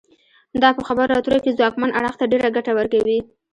دا په خبرو اترو کې ځواکمن اړخ ته ډیره ګټه ورکوي